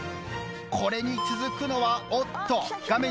これに続くのはおっと画面